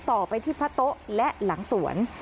ต่อไปที่พระโต๊ะและหลังสวน